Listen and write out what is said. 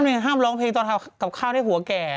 แล้วก็ห้ามล้องเพลงตอนกลับข้าวให้ผัวแก่